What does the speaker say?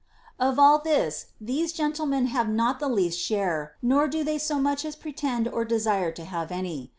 14. Of all this these gentlemen have not the least share, nor do they so much as pretend or desire to have any.